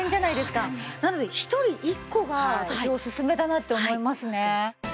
なので１人１個が私おすすめだなって思いますね。